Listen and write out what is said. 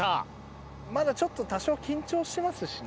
まだちょっと多少緊張してますしね。